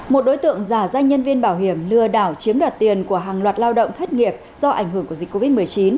một đối tượng giả danh nhân viên bảo hiểm lừa đảo chiếm đoạt tiền của hàng loạt lao động thất nghiệp do ảnh hưởng của dịch covid một mươi chín